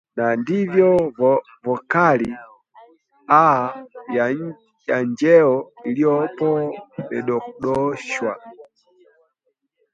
na ndiyo vokali "a" ya njeo iliyopo imedondoshwa